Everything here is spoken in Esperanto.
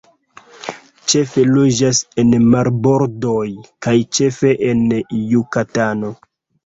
Ĉefe loĝas en marbordoj kaj ĉefe en Jukatano.